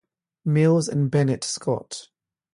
Mills and Bennett Scott.